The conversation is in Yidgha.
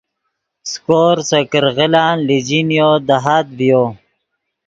سیکور سے کرغیلان لیجینیو دہات ڤیو